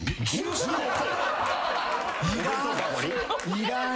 いらん。